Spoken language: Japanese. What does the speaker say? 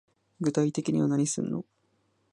具体的には何すんの